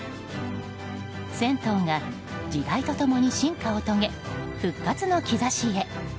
銭湯が時代と共に進化を遂げ復活の兆しへ。